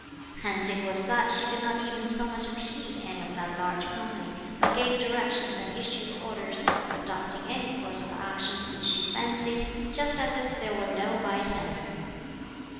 Hence it was that she did not even so much as heed any of that large company, but gave directions and issued orders, adopting any course of action which she fancied, just as if there were no bystander.